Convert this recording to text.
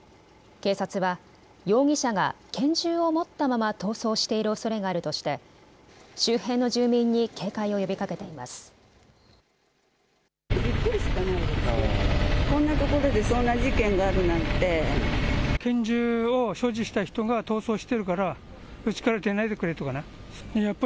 警察は容疑者が拳銃を持ったまま逃走しているおそれがあるとして周辺の住民に警戒を呼びかけています。